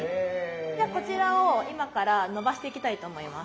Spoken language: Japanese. じゃこちらを今から伸ばしていきたいと思います。